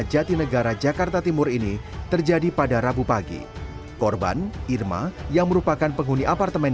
jatinegara jakarta timur ini terjadi pada rabu pagi korban irma yang merupakan penghuni apartemen